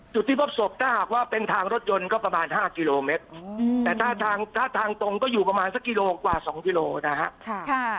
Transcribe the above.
จุดที่พบศพถ้าหากว่าเป็นทางรถยนต์ก็ประมาณ๕กิโลเมตรแต่ถ้าทางตรงก็อยู่ประมาณสักกิโลกว่า๒กิโลนะครับ